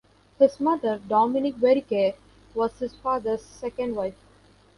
His mother, Dominique Verrike, was his father's second wife.